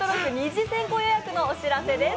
次先行予約のお知らせです。